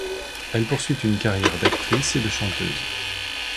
Elle poursuit une carrière d'actrice et de chanteuse.